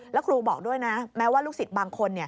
แล้วครูบอกด้วยนะแม้ว่าลูกศิษย์บางคน